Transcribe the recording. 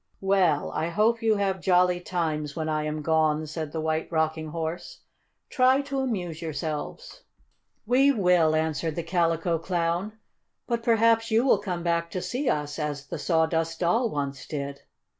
"Well, I hope you have jolly times when I am gone," said the White Rocking Horse. "Try to amuse yourselves." "We will," answered the Calico Clown. "But perhaps you will come back to see us, as the Sawdust Doll once did."